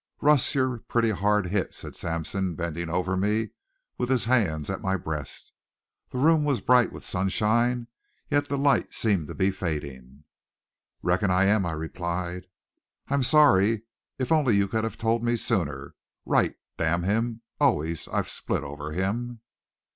"Russ, you're pretty hard hit," said Sampson, bending over me, with his hands at my breast. The room was bright with sunshine, yet the light seemed to be fading. "Reckon I am," I replied. "I'm sorry. If only you could have told me sooner! Wright, damn him! Always I've split over him!"